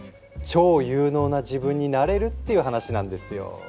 超有能な自分になれるっていう話なんですよ。